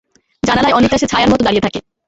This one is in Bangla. জানালায় অনেকটা সে ছায়ার মত দাঁড়িয়ে থাকে।